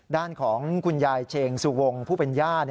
ด้านของคุณยายเชงสุวงผู้เป็นย่า